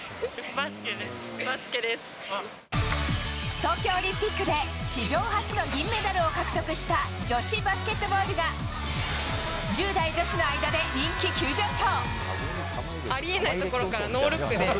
東京オリンピックで史上初の銀メダルを獲得した女子バスケットボールが１０代女子の間で人気急上昇。